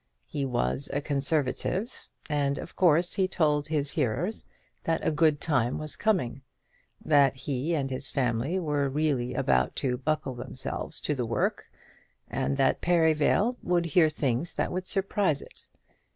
He was a Conservative, and of course he told his hearers that a good time was coming; that he and his family were really about to buckle themselves to the work, and that Perivale would hear things that would surprise it.